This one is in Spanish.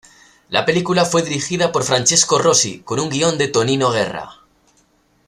La película fue dirigida por Francesco Rosi, con un guion de Tonino Guerra.